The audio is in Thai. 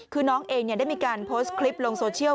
คือน้องเองได้มีการโพสต์คลิปลงโซเชียล